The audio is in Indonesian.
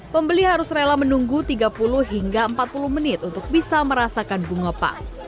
pembeli harus rela menunggu tiga puluh hingga empat puluh menit untuk bisa merasakan bunga pak